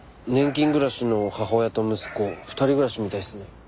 年金暮らしの母親と息子２人暮らしみたいですね。